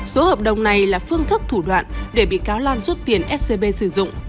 số hợp đồng này là phương thức thủ đoạn để bị cáo lan rút tiền scb sử dụng